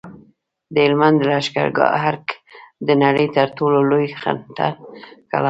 د هلمند د لښکرګاه ارک د نړۍ تر ټولو لوی خټین کلا ده